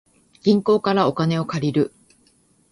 銀行からお金を借りる